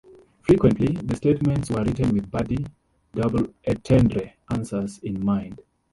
Frequently, the statements were written with bawdy, double entendre answers in mind.